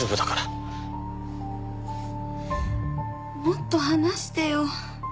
もっと話してよ。